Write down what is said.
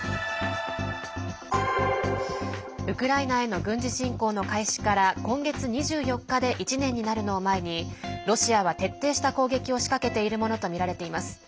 ウクライナへの軍事侵攻の開始から今月２４日で１年になるのを前にロシアは徹底した攻撃を仕掛けているものとみられています。